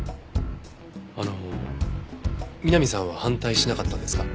あの美波さんは反対しなかったんですか？